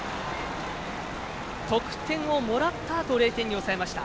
得点をもらったあと０点に抑えました。